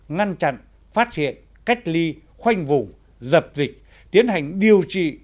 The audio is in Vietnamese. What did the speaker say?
ngăn chặn phát hiện cách ly khoanh vùng dập dịch tiến hành điều trị